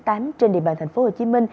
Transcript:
trên địa bàn tp hcm